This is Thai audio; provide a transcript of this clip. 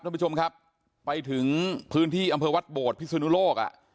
ท่านผู้ชมครับไปถึงพื้นที่อำเภอวัดโบดพิศนุโลกอ่ะ